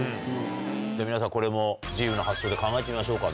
皆さん、これも自由な発想で考えてみましょうか。